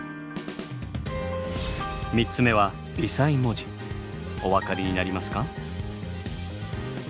３つ目はお分かりになりますか？